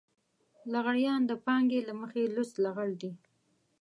لغړيان د پانګې له مخې لوڅ لغړ دي.